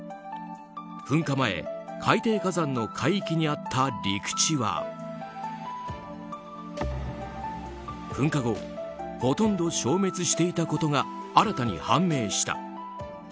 噴火前海底火山の海域にあった陸地は噴火後ほとんど消滅していたことが新たに判明した。